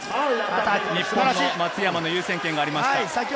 日本の松山の優先権があります。